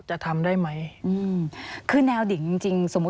สวัสดีค่ะที่จอมฝันครับ